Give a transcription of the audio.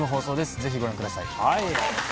ぜひご覧ください。